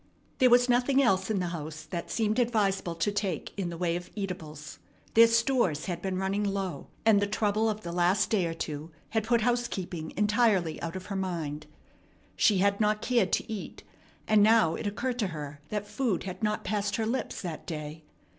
There was nothing else in the house that seemed advisable to take in the way of eatables. Their stores had been running low, and the trouble of the last day or two had put housekeeping entirely out of her mind. She had not cared to eat, and now it occurred to her that food had not passed her lips that day.